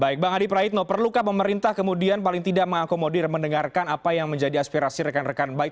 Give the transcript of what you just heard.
baik bang adi praitno perlukah pemerintah kemudian paling tidak mengakomodir mendengarkan apa yang menjadi aspirasi rekan rekan baik